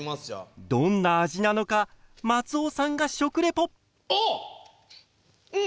どんな味なのか松尾さんが食レポ。